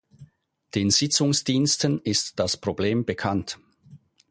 Den Sitzungsdiensten ist das Problem bekannt.